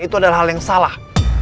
itu adalah hal yang salah